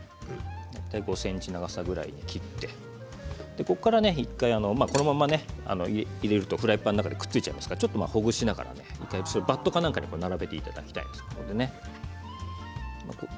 ５ｃｍ長さぐらいで切ってここから１回、このまま入れると、フライパンの中でくっついちゃいますからちょっとほぐしながらバットか何かに並べて置きます。